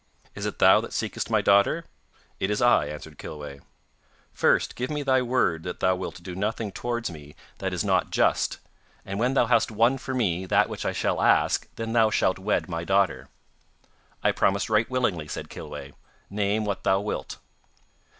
'Is it thou that seekest my daughter?' 'It is I,' answered Kilweh. 'First give me thy word that thou wilt do nothing towards me that is not just, and when thou hast won for me that which I shall ask, then thou shalt wed my daughter.' 'I promise right willingly,' said Kilweh. 'Name what thou wilt.